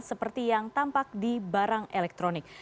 seperti yang tampak di barang elektronik